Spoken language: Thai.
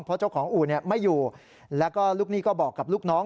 เพราะเจ้าของอู่ไม่อยู่แล้วก็ลูกหนี้ก็บอกกับลูกน้อง